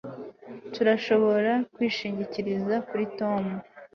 turashobora kwishingikiriza kuri tom